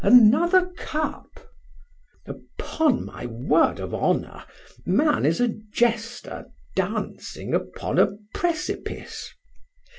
Another cup! Upon my word of honor! man is a jester dancing upon a precipice.